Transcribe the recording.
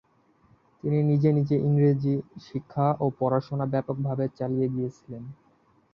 তিনি নিজে নিজে ইংরেজি শিক্ষা ও পড়াশোনা ব্যাপকভাবে চালিয়ে গিয়েছিলেন।